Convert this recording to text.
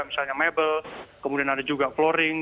misalnya mebel kemudian ada juga floaring